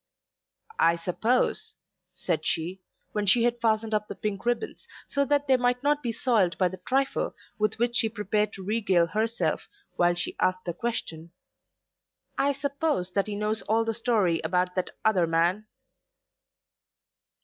"I suppose," said she, when she had fastened up the pink ribbons so that they might not be soiled by the trifle with which she prepared to regale herself while she asked the question, "I suppose that he knows all the story about that other man?"